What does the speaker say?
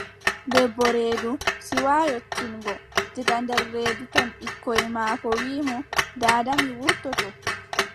Debbo reedu, siwaa yottingo, diga nder reedu ton ɓiyiiko wiʼi mo: daada mi wurtoto.